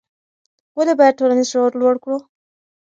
ولې باید ټولنیز شعور لوړ کړو؟